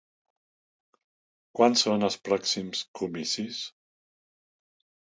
Quan són els pròxims comicis?